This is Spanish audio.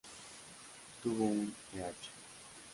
Tuvo un Ph.